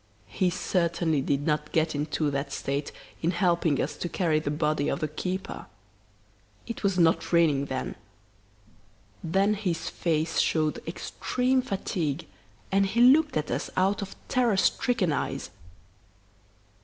He certainly did not get into that state in helping us to carry the body of the keeper. It was not raining then. Then his face showed extreme fatigue and he looked at us out of terror stricken eyes.